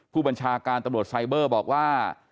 ผู้บัญชาการตำรวจไซเบอร์บอกว่า